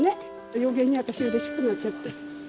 余計に私嬉しくなっちゃって。